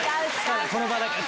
この場だけ。